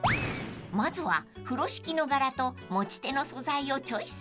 ［まずは風呂敷の柄と持ち手の素材をチョイス］